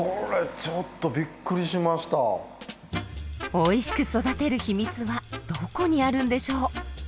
おいしく育てる秘密はどこにあるんでしょう？